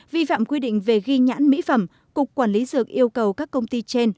vi phạm quy định về ghi nhãn mỹ phẩm cục quản lý dược yêu cầu các công ty trên